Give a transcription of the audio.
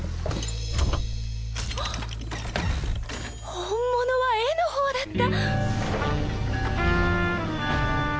本物は絵のほうだった。